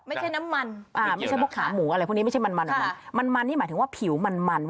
ไม่ใช่น้ำมันอ่าไม่ใช่พวกขาหมูอะไรพวกนี้ไม่ใช่มันมันนี่หมายถึงว่าผิวมันมัน